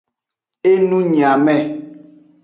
Enunyiame.